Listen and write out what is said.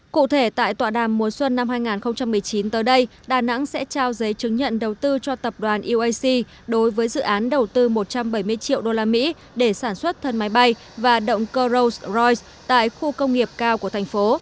cụ thể tại tọa đàm mùa xuân năm hai nghìn một mươi chín tới đây đà nẵng sẽ trao giấy chứng nhận đầu tư cho tập đoàn đối với dự án đầu tư một trăm bảy mươi triệu usd để sản xuất thân máy bay và động cơ ros r rois tại khu công nghiệp cao của thành phố